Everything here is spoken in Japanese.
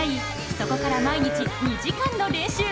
そこから毎日２時間の練習。